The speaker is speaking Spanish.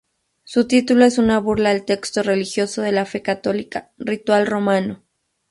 Su título es una burla al texto religioso de la fe católica, Ritual Romano.